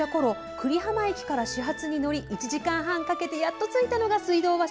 久里浜駅から始発に乗り１時間半かけてやっと着いたのが水道橋。